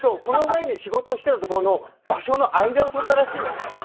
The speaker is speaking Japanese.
この前に仕事してたとこの場所の間を取ったらしいのね。